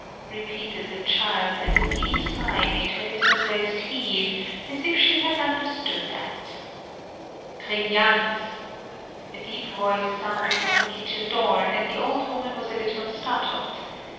repeated the child, and a deep sigh made her little breast heave, as if she had understood that. "Trin Jans!" a deep voice sounded from the kitchen door, and the old woman was a little startled.